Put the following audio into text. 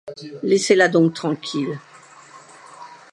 Laissez-la donc tranquille!